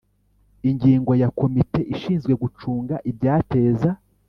Ingingo ya komite ishinzwe gucunga ibyateza